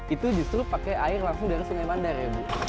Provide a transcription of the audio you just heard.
itu justru pakai air langsung dari sungai mandar ya bu